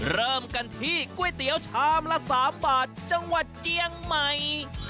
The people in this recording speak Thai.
เริ่มกันที่ก๋วยเตี๋ยวชามละ๓บาทจังหวัดเจียงใหม่